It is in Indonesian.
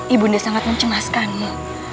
ibu nda sangat mencemaskanmu